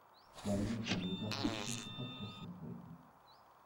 Gerne würde Theresa beruflich etwas kürzer treten.